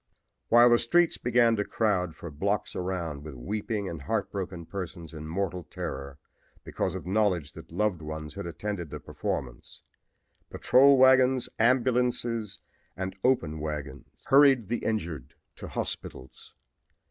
"While the streets began to crowd for blocks around with weeping and heartbroken persons in mortal terror because of knowledge that loved ones had attended the performance, patrol wagons, ambulances and open wagons hurried the injured to hospitals.